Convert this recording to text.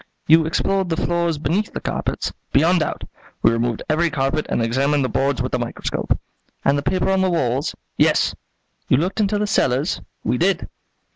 "You explored the floors beneath the carpets?" "Beyond doubt. We removed every carpet and examined the boards with the microscope." "And the paper on the walls?" "Yes." "You looked into the cellars?" "We did."